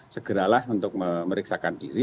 segeralah untuk memeriksakan diri